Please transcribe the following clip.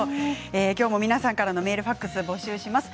きょうも皆さんからメール、ファックスを募集します。